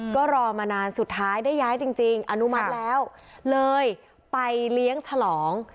ก็รอมานานสุดท้ายได้ย้ายจริงอนุมัติแล้วเลยไปเลี้ยงฉลอง